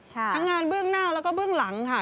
ทั้งงานเบื้องหน้าแล้วก็เบื้องหลังค่ะ